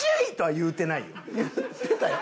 言ってたよ。